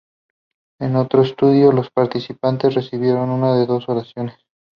En otro estudio, los participantes recibieron una de dos oraciones.